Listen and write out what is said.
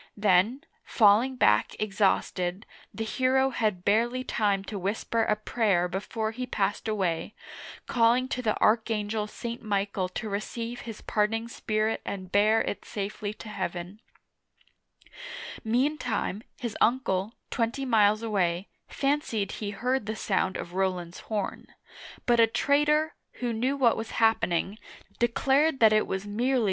Then, falling back exhausted, the hero had barely time to whisper a prayer before he passed away, calling to the Archangel St. Michael to receive his parting spirit and bear it safely to heaven. Meantime, his uncle, twenty miles away, fancied he heard the sound of Roland*s horn ; but a traitor, who knew what was happening, declared that it was merely the uigitizea oy vjiOOQlC Painting by Keller.